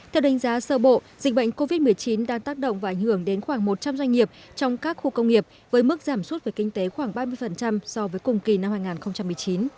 theo đánh giá sơ bộ dịch bệnh covid một mươi chín đang tác động và ảnh hưởng đến khoảng một trăm linh doanh nghiệp trong các khu công nghiệp với mức giảm suốt về kinh tế khoảng ba mươi so với cùng kỳ năm hai nghìn một mươi chín